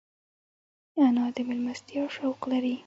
انا د مېلمستیا شوق لري